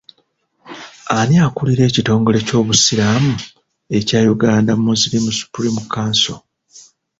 Ani akulira ekitongole ky'obusiraamu ekya Uganda Muslim supreme council?